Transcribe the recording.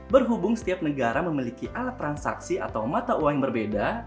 berhubung setiap negara memiliki alat transaksi atau mata uang yang berbeda